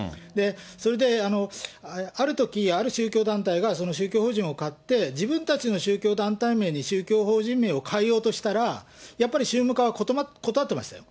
それで、あるとき、ある宗教団体が、宗教法人を買って、自分たちの宗教団体名に宗教法人名を変えようとしたら、やっぱり宗務課は断ってましたよ。